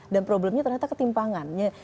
dan problemnya ternyata ketimpangannya